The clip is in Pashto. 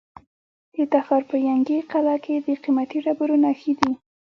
د تخار په ینګي قلعه کې د قیمتي ډبرو نښې دي.